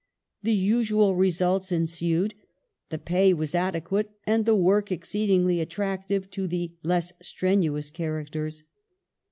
The usual results ensued. The pay was adequate and the " work " ex ceedingly attractive to the less strenuous characters.